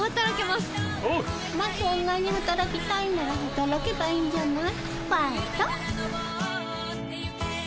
まそんなに働きたいなら働けばいいんじゃないファーイト！